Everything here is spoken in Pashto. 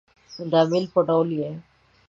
د امیل په ډول يې